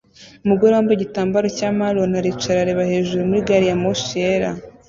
Umugore wambaye igitambaro cya marone aricara areba hejuru ya gari ya moshi yera